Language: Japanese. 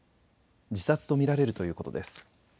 自殺と見られるということです。